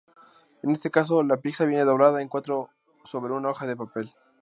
En este caso, la pizza viene doblada en cuatro sobre una hoja de papel.